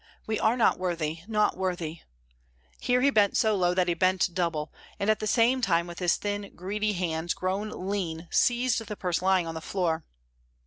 We are not worthy, not worthy." Here he bent so low that he bent double, and at the same time with his thin greedy hands, grown lean, seized the purse lying on the floor.